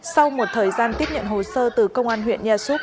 sau một thời gian tiếp nhận hồ sơ từ công an huyện nhà súp